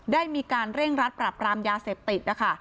ได้มีการเร่งรัดปรับรามยาเสพติดนะคะ